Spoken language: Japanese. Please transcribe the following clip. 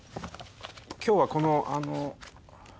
今日はこのあのう。